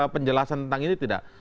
penjelasan tentang ini tidak